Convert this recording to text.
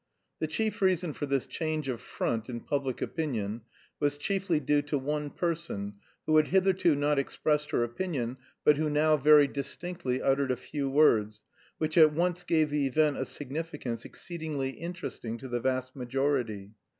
The chief reason for this change of front in public opinion was chiefly due to one person, who had hitherto not expressed her opinion, but who now very distinctly uttered a few words, which at once gave the event a significance exceedingly interesting to the vast majority.